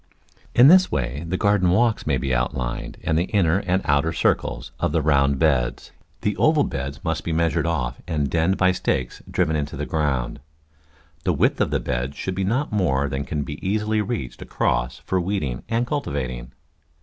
In this way the garden walks may be outlined and the inner and outer circles of the round beds. The oval beds must be Digitized by Google one] laeatton an* arrangement 7 measured off and defined by stakes driven into the ground. The width of the beds should be not more than can be easily reached across for weeding and cultivating.